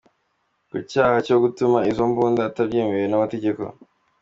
Ku cyaha cyo gutunga izo mbunda atabyemerewe n’amategeko,